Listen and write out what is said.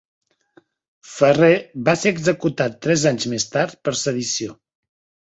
Ferrer va ser executat tres anys més tard per sedició.